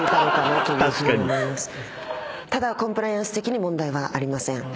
ただコンプライアンス的に問題はありません。